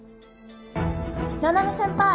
七波先輩！